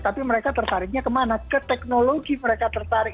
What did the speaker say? tapi mereka tertariknya ke mana ke teknologi mereka tertarik